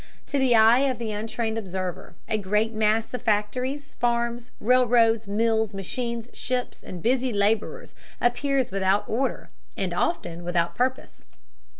To the eye of the untrained observer a great mass of factories, farms, railroads, mills, machines, ships, and busy laborers appears without order and, often, without purpose.